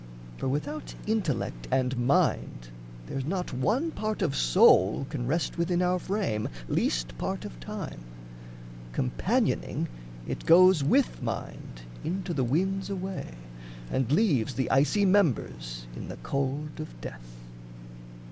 For without intellect and mind there's not One part of soul can rest within our frame Least part of time; companioning, it goes With mind into the winds away, and leaves The icy members in the cold of death.